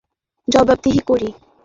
আমি শুধু রোলেক্সের কাছে জবাবদিহি করি।